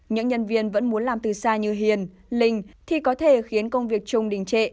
những nhân viên vẫn muốn làm từ xa như hiền linh thì có thể khiến công việc chung đình trệ